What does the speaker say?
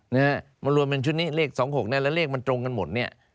นะฮะมารวมเป็นชุดนี้เลข๒๖เนี่ยแล้วเลขมันตรงกันหมดเนี่ย